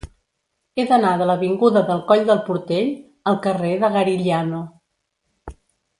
He d'anar de l'avinguda del Coll del Portell al carrer de Garigliano.